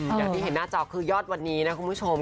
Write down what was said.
อย่างที่เห็นหน้าจอคือยอดวันนี้นะคุณผู้ชม